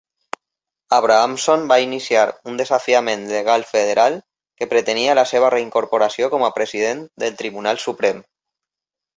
Abrahamson va iniciar un desafiament legal federal que pretenia la seva reincorporació com a president del Tribunal Suprem.